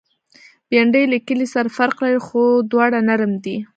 بېنډۍ له کیلې سره فرق لري، خو دواړه نرم دي